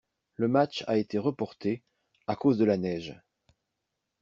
Le match a été reporté à cause de la neige.